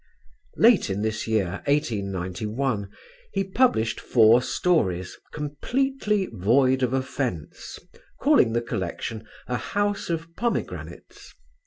Late in this year, 1891, he published four stories completely void of offence, calling the collection "A House of Pomegranates."